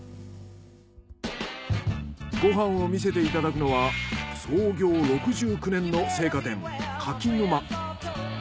ご飯を見せていただくのは創業６９年の青果店かきぬま。